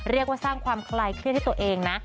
เรียกว่าสร้างความคลายเครียดให้ตัวเองนะ